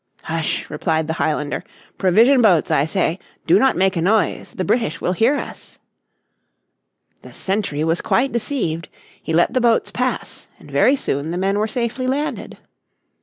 "Hush!" replied the Highlander, "provision boats, I say. Do not make a noise; the British will hear us." The sentry was quite deceived. He let the boats pass, and very soon the men were safely landed.